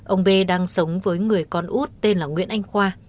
ông b đang sống với người con út tên là nguyễn anh khoa